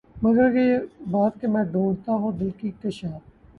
مگر یہ بات کہ میں ڈھونڈتا ہوں دل کی کشاد